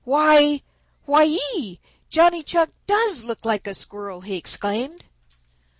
"Why! Why ee! Johnny Chuck does look like a Squirrel," he exclaimed.